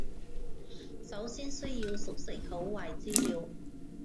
首先需要熟悉好壞資料